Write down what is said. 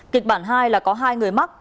kịch bản hai là có hai người mắc